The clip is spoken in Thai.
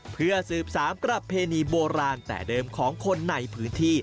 เพื่อสืบสารประเพณีโบราณแต่เดิมของคนในพื้นที่